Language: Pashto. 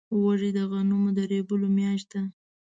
وږی د غنمو د رېبلو میاشت ده.